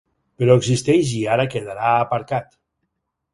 Però existeix i ara quedarà aparcat.